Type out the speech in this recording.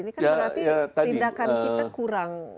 ini kan berarti tindakan kita kurang